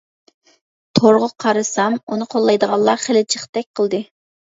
تورغا قارىسام ئۇنى قوللايدىغانلار خېلى جىقتەك قىلدى.